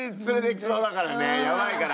やばいから。